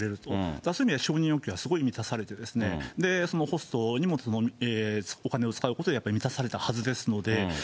そういう意味では承認欲求がすごい満たされてですね、ホストにもお金を使うことで、満たされたはずですので。